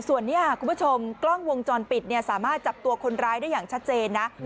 ส่วนนี้คุณผู้ชมกล้องวงจรปิดสามารถจับตัวคนร้ายได้อย่างชัดเจนนะ